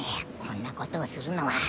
こんなことをするのは。